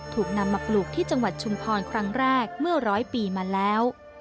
ถูกนำมาปลูกที่จังหวัดชุมพรครั้งแรกเมื่อร้อยปีมาแล้ว